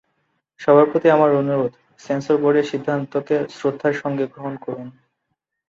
সবার প্রতি আমার অনুরোধ, সেন্সর বোর্ডের সিদ্ধান্তকে শ্রদ্ধার সঙ্গে গ্রহণ করুন।